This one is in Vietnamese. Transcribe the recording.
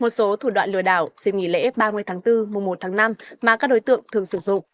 một số thủ đoạn lừa đảo dịp nghỉ lễ ba mươi tháng bốn mùa một tháng năm mà các đối tượng thường sử dụng